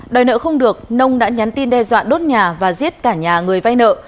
đòi nợ không được nông đã nhắn tin đe dọa đốt nhà và giết cả nhà người vay nợ